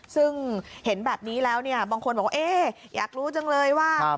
ซึ่งเห็นแบบนี้แล้วเนี่ยบางคนบอกว่าอยากรู้จังเลยว่า